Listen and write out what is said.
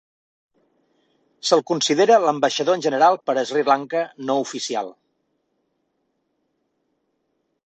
Se'l considera l'"ambaixador en general per a Sri Lanka" no oficial.